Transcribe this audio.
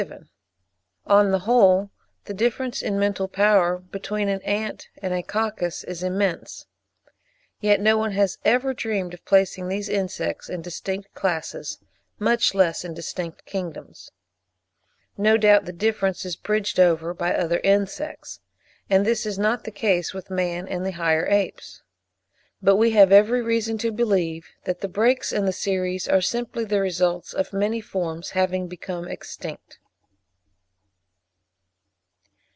George Pouchet, 'Revue des Deux Mondes,' Feb. 1870, p. 682.) On the whole, the difference in mental power between an ant and a coccus is immense; yet no one has ever dreamed of placing these insects in distinct classes, much less in distinct kingdoms. No doubt the difference is bridged over by other insects; and this is not the case with man and the higher apes. But we have every reason to believe that the breaks in the series are simply the results of many forms having become extinct.